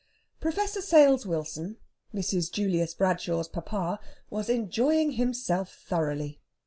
Professor Sales Wilson, Mrs. Julius Bradshaw's papa, was enjoying himself thoroughly.